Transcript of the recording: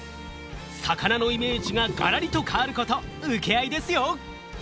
魚のイメージがガラリと変わること請け合いですよ！